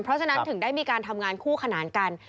เพราะฉะนั้นถึงได้มีการทำงานคู่ขนานกัน